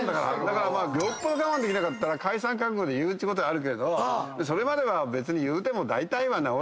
よっぽど我慢できなかったら解散覚悟で言うことはあるけどそれまでは別に言うてもだいたいは直らないから。